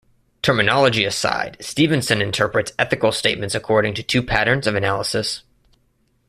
Terminology aside, Stevenson interprets ethical statements according to two patterns of analysis.